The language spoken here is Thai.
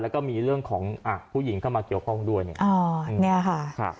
แล้วก็มีเรื่องของอ่ะผู้หญิงเข้ามาเกี่ยวข้องด้วยเนี่ยอ๋อเนี่ยค่ะ